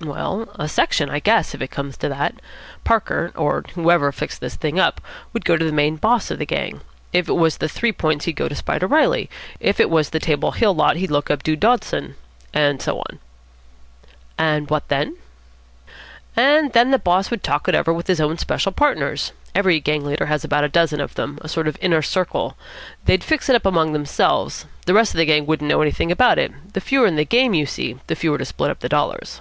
"Well, a section, I guess, if it comes to that. Parker, or whoever fixed this thing up, would go to the main boss of the gang. If it was the Three Points, he'd go to Spider Reilly. If it was the Table Hill lot, he'd look up Dude Dawson. And so on." "And what then?" "And then the boss would talk it over with his own special partners. Every gang leader has about a dozen of them. A sort of Inner Circle. They'd fix it up among themselves. The rest of the gang wouldn't know anything about it. The fewer in the game, you see, the fewer to split up the dollars."